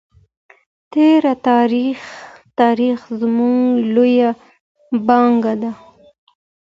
تېر تاریخ زموږ لویه پانګه ده.